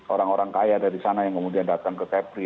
orang orang kaya dari sana yang kemudian datang ke kepri